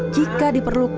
jika diperlukan lalu